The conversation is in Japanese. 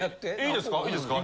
いいですか？